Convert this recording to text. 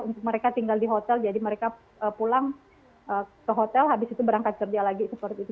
untuk mereka tinggal di hotel jadi mereka pulang ke hotel habis itu berangkat kerja lagi seperti itu